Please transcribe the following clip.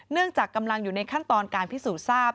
จากกำลังอยู่ในขั้นตอนการพิสูจน์ทราบ